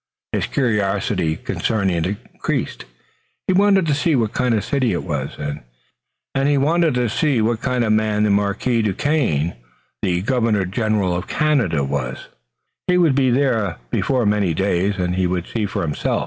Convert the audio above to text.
His curiosity concerning it increased. He wanted to see what kind of city it was, and he wanted to see what kind of a man the Marquis Duquesne, the Governor General of Canada, was. Well, he would be there before many days and he would see for himself.